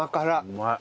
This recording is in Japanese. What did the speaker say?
うまい。